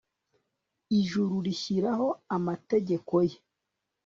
ijuru rishyiraho amategeko ye